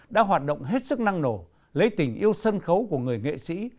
đã hoạt động hết sức năng nổ lấy tình yêu sân khấu của người nghệ sĩ